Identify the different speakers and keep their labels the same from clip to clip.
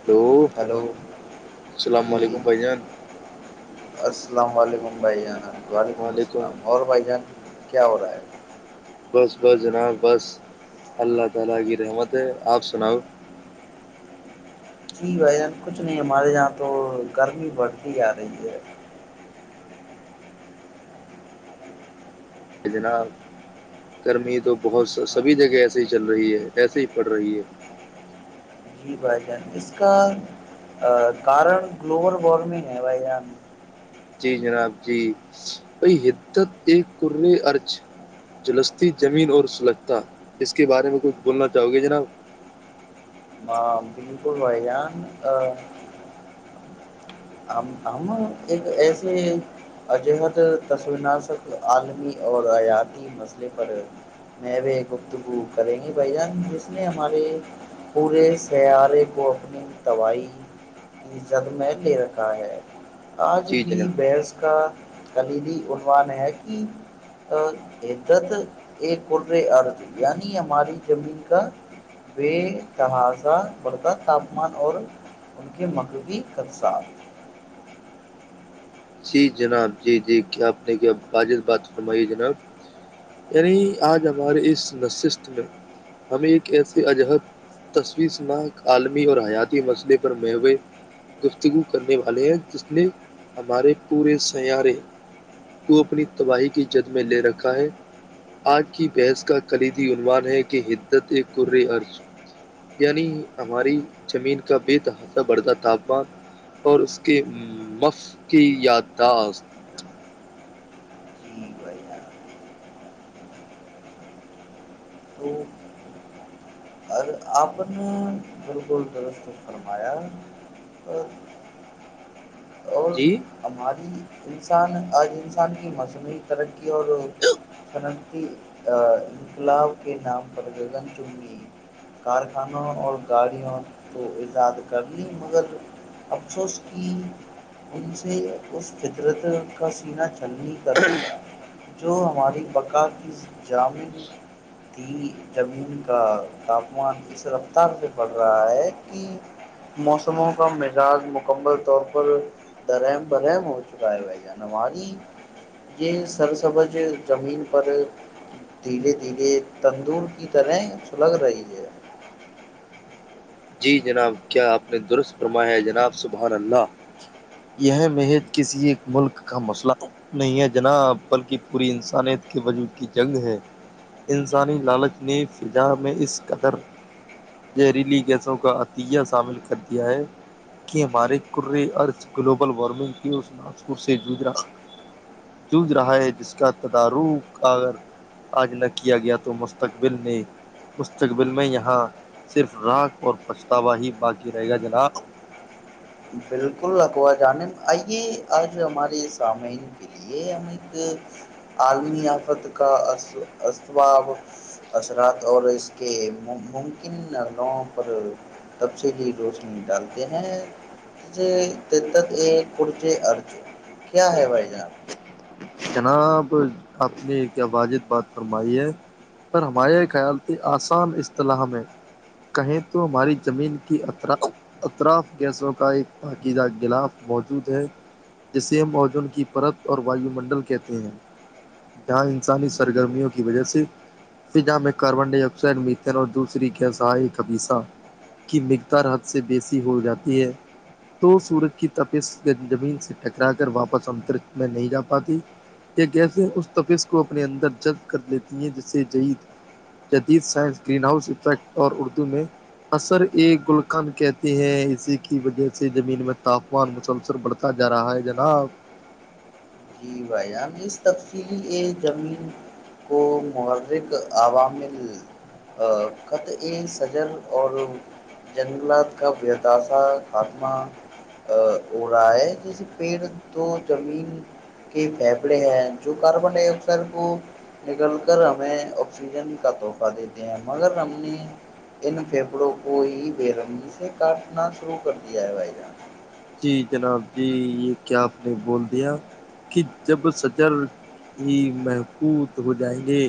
Speaker 1: hello
Speaker 2: hello
Speaker 1: السلام
Speaker 2: جی
Speaker 1: علیکم بھائی جان
Speaker 2: السلام علیکم بھائی ج وعلیکم السلام اور بھائی جان کیا ہو رہا ہے
Speaker 1: بس بس جناب بس اللہ تعالی کی رحمت ہے آپ سناؤ
Speaker 2: جی بھائی جان کچھ نہیں ہمارے یہاں تو گرمی بڑھتی آ رہی ہے
Speaker 1: ب جناب گرمی تو بہت
Speaker 2: ہاں
Speaker 1: سبھی جگہ ایسے ہی چل رہی ہے ایسے ہی پڑ رہی ہے
Speaker 2: جی بھائی جان اس کا کارن گلوبل وارمنگ ہے بھائی جان
Speaker 1: جی جناب جی بئی حدت ایک کرل ارج جلسی زمین اور سلجتا اس کے بارے میں کچھ بولنا چاہو گے جناب
Speaker 2: ہاں بالکل بھائی جان ہم ہم ایک ایسے عجہد تسناسک عالمی اور حیاتی مسئلے پر نب گفتگو کریں گے بھائی جان جس نے ہمارے پورے سیارے کو اپنی دوائی عزت میں لے رکھا ہے آج
Speaker 1: جی
Speaker 2: بھی
Speaker 1: جناب
Speaker 2: بحث کا کلیدی عنوان ہے کہ عت ایک ارد یعنی ہماری زمین کا بے تہذا بردہ تاپمان اور ان کے مغربی خدسات
Speaker 1: جی جناب جی جی کیا آپ نے کیا واجح بات فرمائی جناب یعنی آج ہمارے اس نشست میں ہمیں ایک ایسے عجہب تشویسنااک عالمی اور حیاتی مسئلے پر مو گفتگو کرنے والے ہیں جس نے ہمارے پورے سیارے کو اپنی تباہی کی جد میں لے رکھا ہے آج کی بحث کا کلیدی عنوان ہے کہ حدت ایک کر عرض یعنی ہماری زمین کا بے تحفہ بڑھدہ تاپمان اور اس کے مف کی یاداخت
Speaker 2: جی بھائی جان، تو ار- آپ نے بالکل درست فرمایا اور اور
Speaker 1: جی
Speaker 2: ہماری انسان آج انسان کی مصنوعی ترقی اور صنعتی انقلاب کے نام پر گگن چننی کارخانوں اور گاڑیوں تو ایجاد کر لی مگر افسوس کی ان سے اس فدرت کا سیننا تی کر دیا جو ہماری پکا کی جامع تھی زمین کا تاپمان اس رفتار پہ پڑ رہا ہے کہ موسموں کا مزاج مکمل طور پر درم برہم ہو چکا ہے بھائی جان ہماری یہ سر سبج زمین پر دھیرے دھیرے تندور کی طرح سلگ رہی ہے
Speaker 1: جی جناب کیا آپ نے درست فرمایا ہے جناب سبحان اللہ یہ مہج کسی ایک ملک کا مسئلہ نہیں ہے جناب بلکہ پوری انسانیت کے وجود کی جنگ ہے انسانی لالچ نے فضا میں اس قدر زہریلی کا عطیہ شامل کر دیا ہے کہ ہمارے کر گلوبل وارمنگ کے نج رہا ہے جس کا تدارک اگر آج نہ کیا گیا تو مستقب نے مستقبل میں یہاں صرف راک اور پچھتاوا ہی باقی رہے گا جناب
Speaker 2: بالکل اکوا جانب آئیے آج ہمارے سامعین کے لیے ہم ایک عالمی آیافت کا اسباب اثرات اور اس کے ممکنلوں پر تفصیلی روشنی ڈالتے ہیں د یہ کورھ ارج کیا ہے بھائی جان
Speaker 1: جناب آپ نے کیا واجد بات فرمائی ہے پر ہمارے خیال آسان اصطلاح ہم ہے کہیں تو ہماری زمین کی اطراف گیسوں کا ایک عقیدہ غلاف موجود ہے جسے موجن کی پرت اور واو منڈل کہ ہیں جہاں انسانی
Speaker 2: جی
Speaker 1: سرگرمیوں کی وجہ سے فضا میں کاربن ڈائی آکسائڈ میتن اور دوسریسائی خبیسہ کی مقدار حد سے بیسی ہو جاتی ہے تو سورج کی تپس زمین سے ٹکرا کر واپس انترک میں نہیں جا پاتی یہ گیسیں اس تفظ کو اپنے اندر جبد کر لیتی ہیں جسے جید جدید سائنس گرین ہاؤس افیکٹ اور اردو میں اثر اے گلکن کہتے ہیں اسی کی وجہ سے زمین میں تاپمان مسلسل بڑھتا جا رہا ہے جناب
Speaker 2: ان اس تفصیلی ا زمین کو محرک عوامل خط ا سجر اور جنگلات کا بداثا خاتمہ ہو رہا ہے جیسے پیڑ تو زمین کے پھیپڑے ہیں جو کاربن ڈائی آکسائڈ کو نکل کر ہمیں آکسیجن کا تحفہ دیتے ہیں مگر ہم نے ان پھیفڑوں کو ہی بےرمیگ سے کاٹنا شروع کر دیا ہے بھائی جان
Speaker 1: جی جناب جی یہ کیا آپ نے بول دیا کہ جب سجر ہی محفوود ہو جائیں گے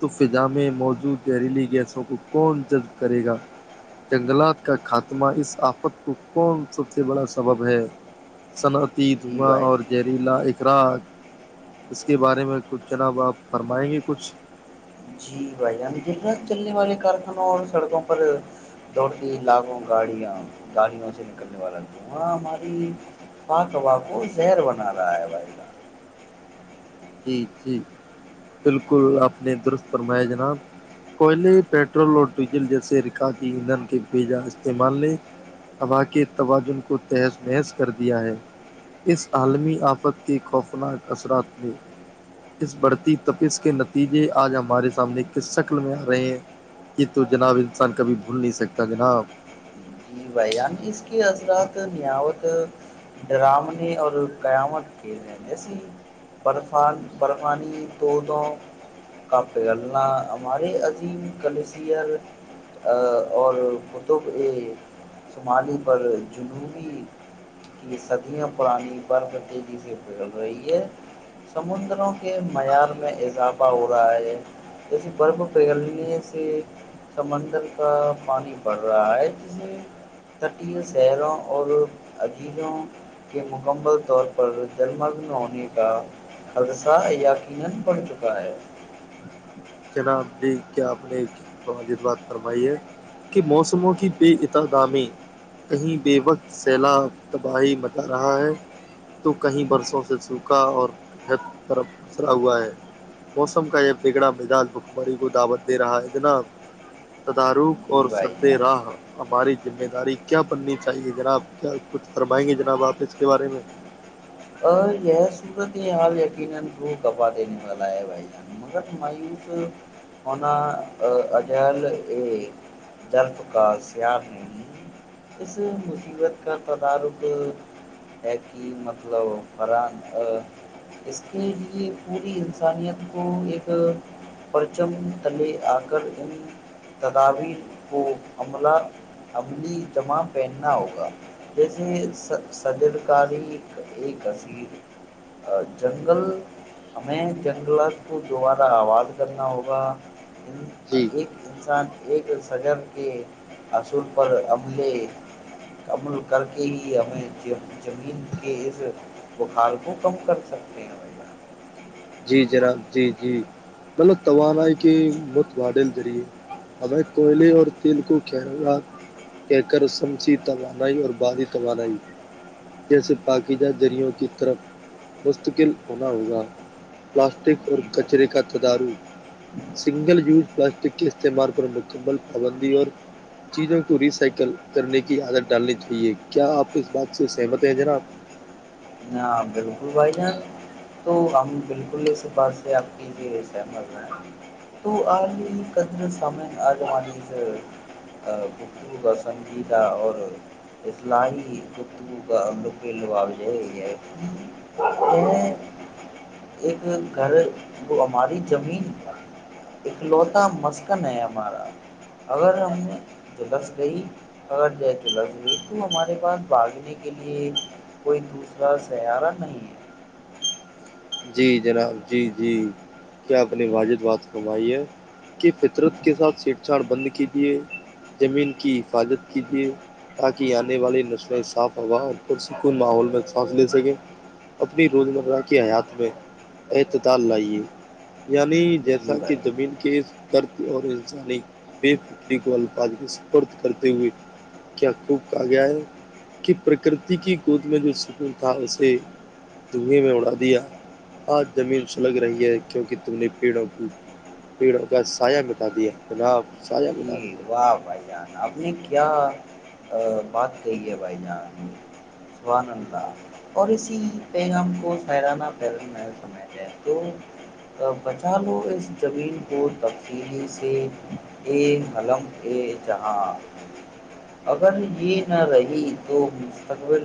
Speaker 1: تو فضا میں موجود زہریلی گیسوں کو کون جذب کرے گا جنگلات کا خاتمہ اس آفت کو کون سب سے بڑا سبب ہے صنعت تی
Speaker 2: جی
Speaker 1: دھوا
Speaker 2: بھائی
Speaker 1: اور جہریلا ایک ا اس کے بارے میں کچھ جناب آپ فرمائیں گے کچھ
Speaker 2: جی بھائی جان ج طنا چلنے والے کارخانوں اور سڑکوں پر دوڑتی لاگوں گاڑیاں گاڑیوں سے نکلنے والا لاں ہماری پاک کو زہر بنا رہا ہے بھائی جان
Speaker 1: جی جی بالکل آپ نے درست فرمایا جناب کوئلے پیٹرول اور ڈیزل جیسے رکاجی ایندھن کے بیجا استعمال نے اباق توجن کو تہز نہحز کر دیا ہے اس عالمی آفت کے خوفناک اثرات نے اس بڑھتی تپس کے نتیجے آج ہمارے سامنے کس شکل میں آ رہے ہیں یہ تو جناب انسان کبھی بھول نہیں سکتا جناب
Speaker 2: بیان اس کے رات نیاوت ڈرامنے اور قیامت کے جیسی بفان برفانی تووں کا پگلنا ہمارے عظیم کلیسر اور کتب ا شمالی پر جنوبی کی صدیاں پرانی برف تیزی سے پگل رہی ہے سمندروں کے معیار میں اضافہ ہو رہا ہے جیسے برف پگلنے سے سمندر کا پانی بڑھ رہا ہے جسے تٹیل سحروں اور عجیزوں کے مکمل طور پر جلمگن ہونے کا خدشہ یقینا پڑ چکا ہے
Speaker 1: جناب جی کیا آپ نےجد بات فرمائی ہے کہ موسموں کی بے ات دامی کہیں بے وقت سیلاب تباہی مچا رہا ہے تو کہیں برسوں سے سوکھا اور برف پسرا ہوا ہے موسم کا یہ بگڑا میدان بکمری کو دعوت دے رہا ہے اتنا تدار اور
Speaker 2: جی بھائی
Speaker 1: سدے
Speaker 2: جان
Speaker 1: راہ ہماری ذمہ داری کیا بننی چاہیے جناب کیا کچھ فرمائیں گے جناب آپ اس کے بارے میں
Speaker 2: دینے والا ہے بھائی جان مگر مایوس ہونا اگر کا سیار ہے اس مصیبت کا تدارک ہے کی طر اس کے لیے پوری انسانیت کو ایک پرچم تلے آ کر ان تدابیر کو عملہ عملی جمع پہننا ہوگا جیسے صدرکاری ایک جنگل ہمیں جنگلات کو دوبارہ آباد کرنا ہوگا
Speaker 1: جی
Speaker 2: ایک انسان ایک سجر کے اصل پر عملے عمل کر کے ہی ہمیںمین کہ اس بخار کو کم کر سکتے ہیں
Speaker 1: جی جناب جی جی ملب توانائی کے متبادل ذریعے ہمیں کوئلے اور تیل کو کیروات کہہ کر سمسی توانائی اور بادی توانائی جیسے پاکی جہ ریوں کی طرف مستقل ہونا ہوگا پلاسٹک
Speaker 2: جان
Speaker 1: اور
Speaker 2: جی بھائی
Speaker 1: کچرے کا تدارو سنگل یوز پلاسٹک کے استعمال پر مکمل پابندی اور چیزوں کو ریسائیکل کرنے کی عادت ڈالنی چاہیے کیا آپ اس بات سے سہمت ہیں جناب
Speaker 2: جان، ہاں بالکل بھائی جان تو ہم بالکل اسعبار سے آپ کی لی سہمت ہیں تو آج قدر سامین آج ہماری اس گفتگو کا سنجیدہ اور اسصلاحی گفتگو کا رک لاابجہی ہے یہ ایک گھر کو ہماری زمین اکلوتا مسکن ہے ہمارا اگر ہم جلس گئی اگر ج جلس گئی تو ہمارے پاس بھاگنے کے لیے کوئی دوسرا بس ہے ارا نہیں ہے
Speaker 1: جی جناب جی جی کیا آپ نے واجد بات فمائی ہے کی فطرت کے سھ چھیڑھاڑ بند کر کے لیے زمین کی حفاظت کیجیے تاکہ آنے والی نسلیں صاف ہوا پر سکون ماحول میں سانس لے سکیں اپنی روزمرہ کی حیات اعتال لائیے یعنی
Speaker 2: ہے
Speaker 1: جیسا
Speaker 2: جی
Speaker 1: کہ
Speaker 2: بھائی
Speaker 1: زمین کے درد اور انسانی بے فکری کو الفاظ سد کرتے ہوئے کیا خوب کہا گیا ہے کہ پرکرتی کی گود میں جو سکون تھا اسے دھیں میں اڑا دیا آج زمین سلگ رہی ہے کیونکہ تم نے پیڑوں کا سایہ مٹا دیا جناب سایا مٹا دیا
Speaker 2: جی واہ بھ جان ابھی کیا بات کہی ہے بھائی جان سبانندا اور اسی پیغام کو سہرانہ پیرن میں سمج ہے تو بچا لو اس زمین کو تفصیلی سے ایک قلم ا جہاں اگر یہ نہ رہی تو مستقبل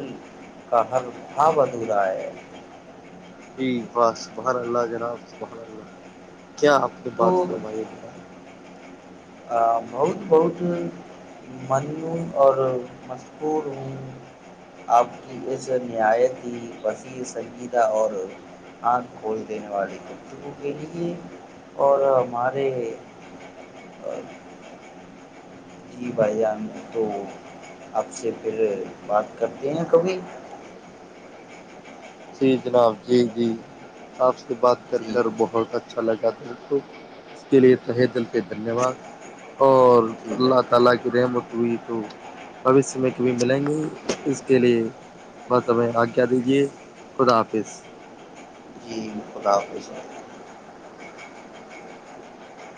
Speaker 2: کا ہر بھا ادھورا ہے
Speaker 1: ج بس سبحن اللہ جناب سبحن اللہ کیا آپنی
Speaker 2: تو
Speaker 1: بات فرمائی ہے ذرا
Speaker 2: بہت بہت مننوع اور مشہور ہوں آپ کی اس نہایت ہی وسییر سنجیدہ اور آنکھ کھول دینے والے گرتبوں کے لیے اور ہمارے اور جی بھائی جان تو آپ سے پھر بات کرتے ہیں کبھی
Speaker 1: جی جناب جی جی آپ یہ بات کر
Speaker 2: جی
Speaker 1: کر بہت اچھا لگا دل کو اس کے لیے رہہ دل کے دھنیہ واد اور
Speaker 2: جی
Speaker 1: اللہ
Speaker 2: بھائی
Speaker 1: تعالی کی رحمت ہوئی تو بوشیہ میں کب ملیں گے اس کے لیے بس ہمیں آجا دیجیے خدافظ
Speaker 2: جی خدا حافظ